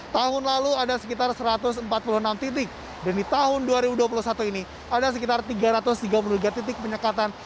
tahun lalu ada sekitar satu ratus empat puluh enam titik dan di tahun dua ribu dua puluh satu ini ada sekitar tiga ratus tiga puluh tiga titik penyekatan